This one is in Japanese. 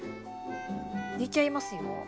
抜いちゃいますよ。